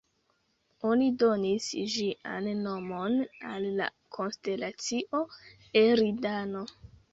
Oni donis ĝian nomon al la konstelacio Eridano.